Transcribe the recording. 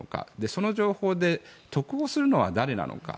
その情報で得をするのは誰なのか。